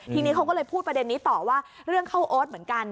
ทีนี้เขาก็เลยพูดประเด็นนี้ต่อว่าเรื่องเข้าโอ๊ตเหมือนกัน